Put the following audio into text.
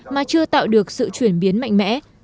đã chưa tạo được sự chuyển biến mạnh mẽ